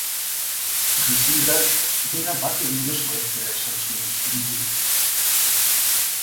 Griseldak bera batere inozoa ez zela esan zuen sumindurik.